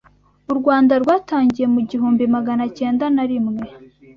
u Rwanda rwatangiye mu igihumbi Magana acyenda na rimwe